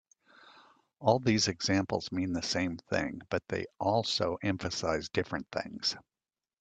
All these examples mean the same thing but they also emphasize different things.